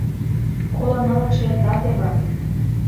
Коло нылытше эрта теве.